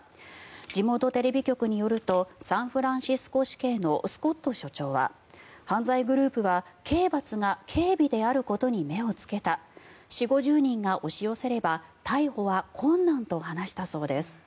地元テレビ局によるとサンフランシスコ市警のスコット署長は犯罪グループは刑罰が軽微であることに目をつけた４０５０人が押し寄せれば逮捕は困難と話したそうです。